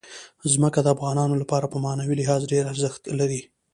ځمکه د افغانانو لپاره په معنوي لحاظ ډېر زیات ارزښت لري.